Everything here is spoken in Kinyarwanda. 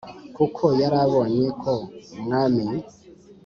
kuko yari abonye ko umwamim